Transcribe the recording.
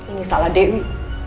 ini salah dewi